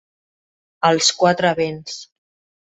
Als quatre vents.